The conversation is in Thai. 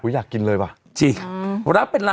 อุี้ยอยากกินเลยป่ะ